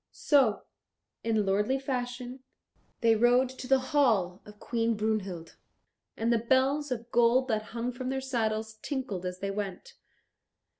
So, in lordly fashion, they rode to the hall of Queen Brunhild, and the bells of gold that hung from their saddles tinkled as they went.